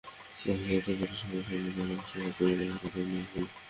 বাকি অর্থ পরে সবাই সমান অংশে ভাগ করে নেওয়ার কথা ছিল।